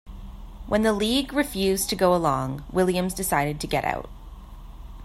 When the league refused to go along, Williams decided to get out.